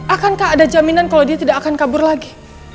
akankah ada jaminan kalau dia tidak akan kabur lagi